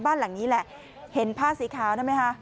บ้านหลังนี้แหละเห็นผ้าสีขาวนั่นไหมคะ